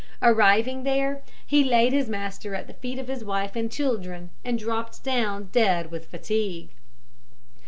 Arriving there, he laid his master at the feet of his wife and children, and dropped down dead with fatigue.